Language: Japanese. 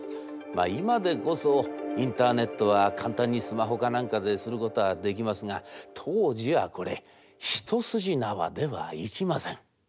まあ今でこそインターネットは簡単にスマホか何かですることはできますが当時はこれ一筋縄ではいきません。